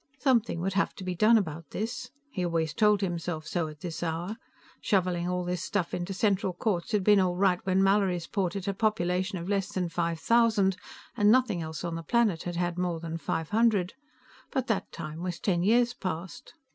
Something would have to be done about this; he always told himself so at this hour. Shoveling all this stuff onto Central Courts had been all right when Mallorysport had had a population of less than five thousand and nothing else on the planet had had more than five hundred, but that time was ten years past.